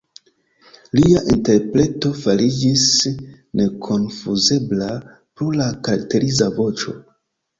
Lia interpreto fariĝis nekonfuzebla pro la karakteriza voĉo.